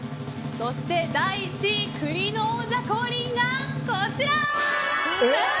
そして第１位栗の王者降臨がこちら。